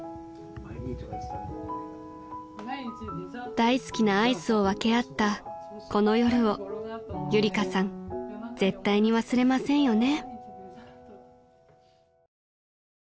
［大好きなアイスを分け合ったこの夜をゆりかさん絶対に忘れませんよね］